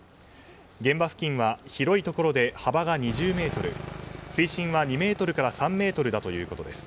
現場付近は広いところで幅が２０ｍ水深は２ｍから３ｍだということです。